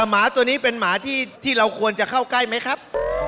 หมาตัวนี้เป็นหมาที่เราควรจะเข้าใกล้ไหมครับ